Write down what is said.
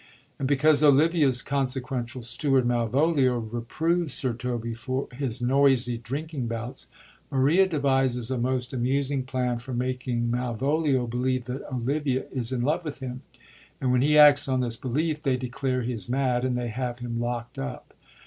And because Olivia's consequential steward, Malvolio, reproves Sir Toby for his noisy drinking bouts, Maria devises a most amusing plan for making Malvolio believe that Olivia is in love with him. And when he acts on this belief, they declare he is mad, and they have him lockt up.